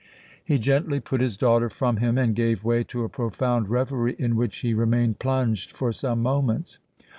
He gently put his daughter from him and gave way to a profound reverie in which he remained plunged for some moments.